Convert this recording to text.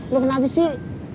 lo kenapa sih